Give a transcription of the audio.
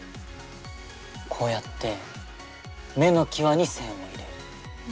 こうやって目の際に線を入れる。